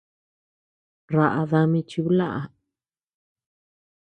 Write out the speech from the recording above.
Raʼa dami chiblaʼa.